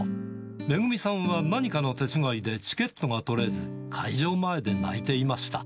めぐみさんは何かの手違いでチケットが取れず、会場前で泣いていました。